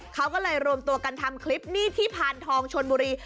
เขาก็เลยรวมตัวกันทำคลิปนี่ที่พานทองชนบุรี